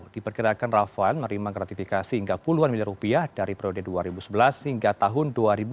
diperkirakan rafael menerima gratifikasi hingga puluhan miliar rupiah dari periode dua ribu sebelas hingga tahun dua ribu dua puluh